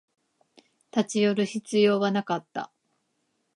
立ち寄る必要はなかった